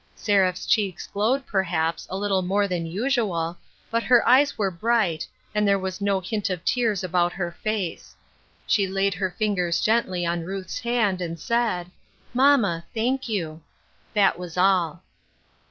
Seraph's cheeks glowed, perhaps, a little more than usual, but her eyes were bright, and there was no hint of tears about her face ; she laid her fingers gently on Ruth's hand, and said, " Mamma, thank you." That was all.